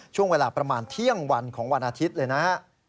ช่วงเวลาประมาณเที่ยงวันของวันอาทิตย์เลยนะฮะ